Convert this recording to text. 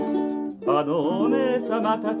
あのお姉様たち？